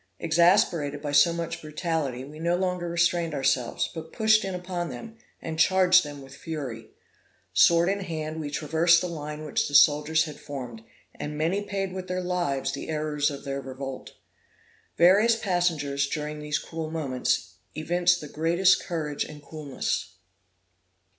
Exasperated by so much brutality, we no longer restrained ourselves, but pushed in upon them, and charged them with fury. Sword in hand we traversed the line which the soldiers had formed, and many paid with their lives the errors of their revolt. Various passengers, during these cruel moments, evinced the greatest courage and coolness.